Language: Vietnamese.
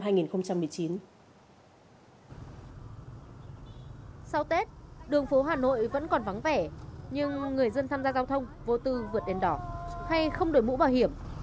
hà nội vẫn còn vắng vẻ nhưng người dân tham gia giao thông vô tư vượt đến đỏ hay không đổi mũ bảo hiểm